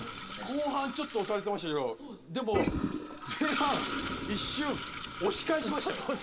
後半ちょっと押されてましたけどでも前半一瞬押し返しましたよ